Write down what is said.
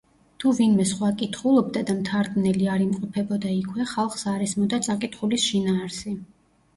თუ ვინმე სხვა კითხულობდა და მთარგმნელი არ იმყოფებოდა იქვე, ხალხს არ ესმოდა წაკითხულის შინაარსი.